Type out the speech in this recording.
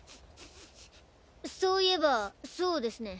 そういえばそうですね。